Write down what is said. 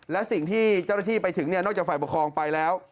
และสิ่งที่เจ้าหน้าที่ไปถึงนอกจากฝ่ายปกครองไปแล้ว